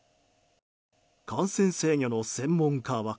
感染制御の専門家は。